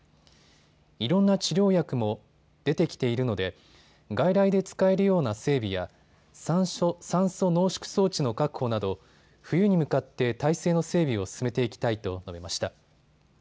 いろんな治療薬も出てきているので外来で使えるような整備や酸素濃縮装置の確保など冬に向かって態勢の整備を進めていきたいと述べました。